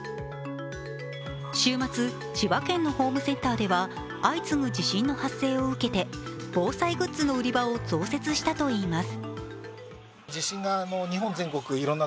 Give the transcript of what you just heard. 週末、千葉県のホームセンターでは相次ぐ地震の発生を受けて防災グッズの売り場を増設したといいます。